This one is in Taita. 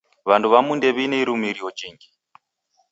W'andu w'amu ndew'ine irumirio jhingi.